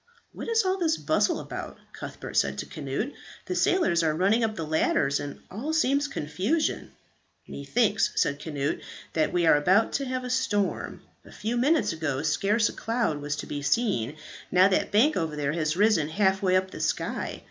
"What is all this bustle about?" Cuthbert said to Cnut. "The sailors are running up the ladders, and all seems confusion." "Methinks," said Cnut, "that we are about to have a storm. A few minutes ago scarce a cloud was to be seen; now that bank over there has risen half way up the sky.